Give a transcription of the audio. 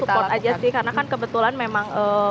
support aja sih karena kan kebetulan memang